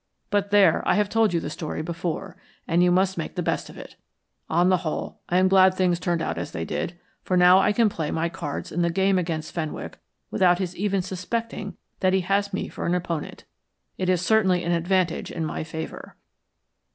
But there, I have told you the story before, and you must make the best of it. On the whole, I am glad things turned out as they did, for now I can play my cards in the game against Fenwick without his even suspecting that he has me for an opponent. It is certainly an advantage in my favor."